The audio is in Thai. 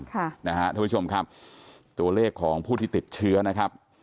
ท่านผู้ชมครับตัวเลขของผู้ที่ติดเชื้อนะครับ